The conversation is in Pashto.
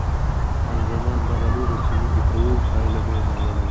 خان زمان: دغه لوبه چې موږ یې کوو پایله به یې ناوړه وي.